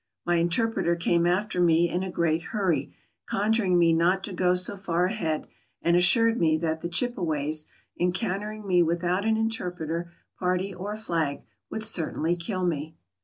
My interpreter came after me in a great hurry, conjuring me not to go so far ahead, and assured me that the Chipeways, encountering me without an interpreter, party, or flag, would certainly kill me.